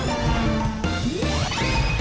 ถูกต้อง